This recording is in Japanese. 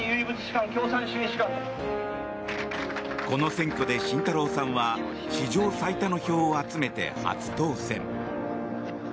この選挙で慎太郎さんは史上最多の票を集めて初当選。